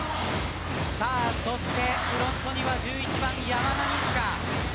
フロントには１１番山田二千華。